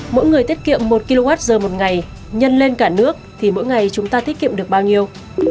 mỗi người tiết kiệm một kwh một ngày nhân lên cả nước thì mỗi ngày chúng ta tiết kiệm được bao nhiêu